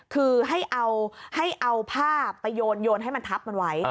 คือให้เอาผ้าไปโยนให้มันทับมันไว้